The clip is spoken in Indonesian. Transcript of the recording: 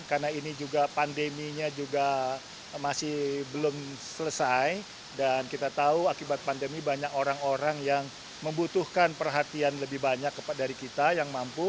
karena ini juga pandeminya juga masih belum selesai dan kita tahu akibat pandemi banyak orang orang yang membutuhkan perhatian lebih banyak dari kita yang mampu